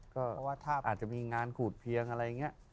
ก็อาจจะมีงานขูดเพียงอะไรอย่างนี้